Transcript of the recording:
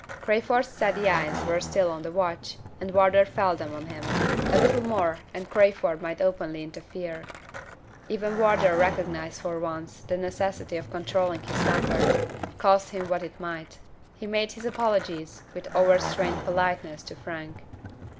Crayford's steady eyes were still on the watch, and Wardour felt them on him. A little more and Crayford might openly interfere. Even Wardour recognized for once the necessity of controlling his temper, cost him what it might. He made his apologies, with overstrained politeness, to Frank.